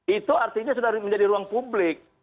itu artinya sudah menjadi ruang publik